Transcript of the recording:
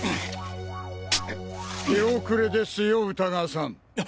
手遅れですよ歌川さん。